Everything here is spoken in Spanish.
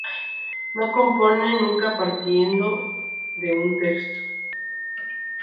No compone nunca partiendo de un texto.